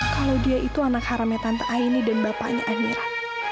kalau dia itu anak harame tante aini dan bapaknya amira